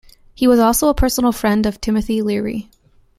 He was also a personal friend of Timothy Leary.